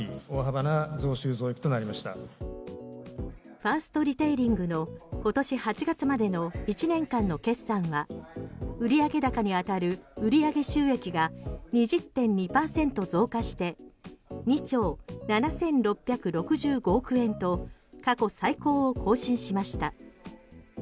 ファーストリテイリングの今年８月までの１年間の決算は売上高に当たる売上収益が２０．２％増加して２兆７６６５億円と過去最高を更新しました。